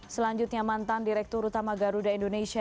selanjutnya mantan direktur utama garuda indonesia